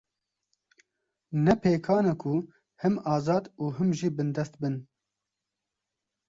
Ne pêkan e ku him azad û him jî bindest bin